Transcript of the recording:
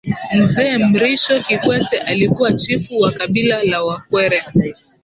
mzee mrisho kikwete alikuwa chifu wa kabila la wakwere